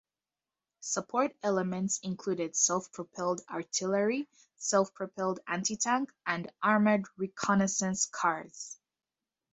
Support elements included self-propelled artillery, self-propelled anti-tank, and armored reconnaissance cars.